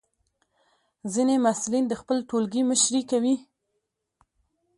ځینې محصلین د خپل ټولګي مشري کوي.